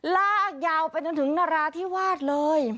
ลากยาวไปจนถึงนราธิวาสเลย